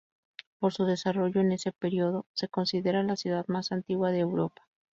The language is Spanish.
Por su desarrollo en este periodo se considera la ciudad más antigua de Europa.